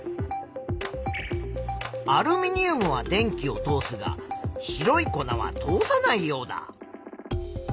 アルミニウムは電気を通すが白い粉は通さないヨウダ。